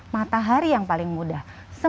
matahari yang paling mudah